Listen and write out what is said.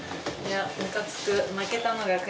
ムカつく。